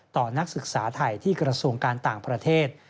นักศึกษาไทยที่กระทรวงการต่างประเทศ